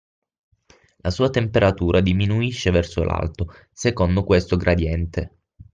La sua temperatura diminuisce verso l'alto secondo questo gradiente.